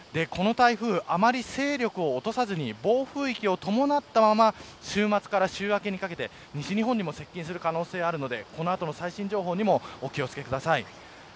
あまり勢力を落とさずに暴風域を伴ったまま週末から週明けにかけて西日本にも接近する可能性がありますのでこの後の最新情報にもお気を付けください。